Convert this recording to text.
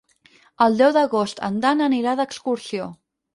El deu d'agost en Dan anirà d'excursió.